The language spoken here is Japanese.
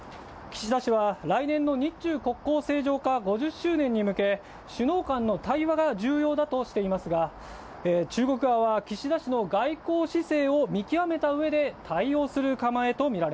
岸田氏は来年、日中国交正常化５０周年に向け、首脳間の対話が重要としていますが、中国側は岸田氏の様子を対応する構え。